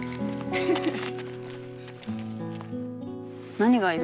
何がいる？